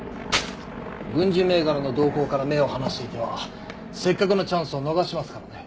軍事銘柄の動向から目を離していてはせっかくのチャンスを逃しますからね。